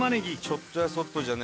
ちょっとやそっとじゃね